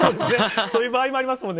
そういう場合もありますもんね。